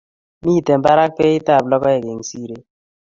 Mito barak beit ab logeik eng' siret